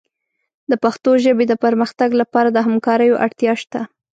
د پښتو ژبې د پرمختګ لپاره د همکاریو اړتیا شته.